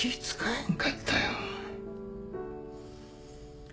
へんかったよ。